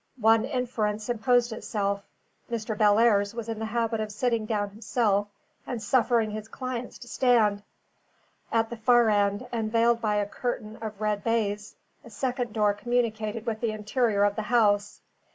One inference imposed itself: Mr. Bellairs was in the habit of sitting down himself and suffering his clients to stand. At the far end, and veiled by a curtain of red baize, a second door communicated with the interior of the house.